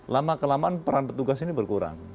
lama kelamaan peran petugas ini berkurang